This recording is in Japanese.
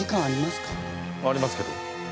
ありますけど。